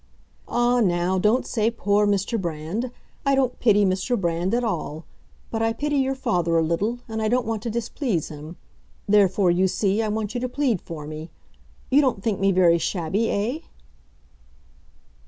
"Ah, now, don't say 'poor' Mr. Brand! I don't pity Mr. Brand at all. But I pity your father a little, and I don't want to displease him. Therefore, you see, I want you to plead for me. You don't think me very shabby, eh?"